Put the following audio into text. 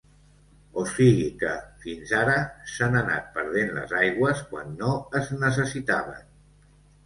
O sigui que, fins ara s'han anat perdent les aigües quan no es necessitaven.